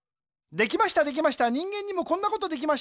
できましたできました人間にもこんなことできました。